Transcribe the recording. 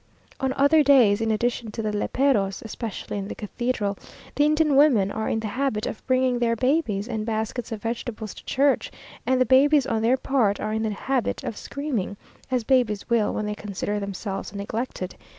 On other days, in addition to the léperos (especially in the cathedral), the Indian women are in the habit of bringing their babies and baskets of vegetables to church, and the babies on their part are in the habit of screaming, as babies will when they consider themselves neglected.